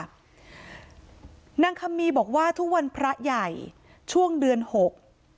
นางคำมีบอกว่าทุกวันพระใหญ่ช่วงเดือนหก